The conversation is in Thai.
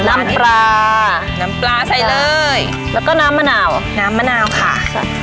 น้ำปลาน้ำปลาใส่เลยแล้วก็น้ำมะนาวน้ำมะนาวค่ะครับ